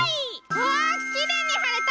わっきれいにはれた！